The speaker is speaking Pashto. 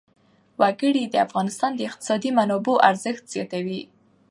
وګړي د افغانستان د اقتصادي منابعو ارزښت زیاتوي.